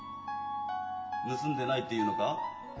「盗んでない」って言うのか？